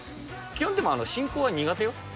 基本、でも進行は苦手よ？